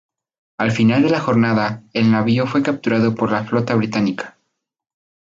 Al final de la jornada, el navío fue capturado por la flota británica.